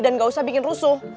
gak usah bikin rusuh